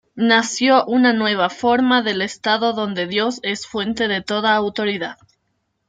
Nació una nueva forma del Estado donde Dios es fuente de toda autoridad.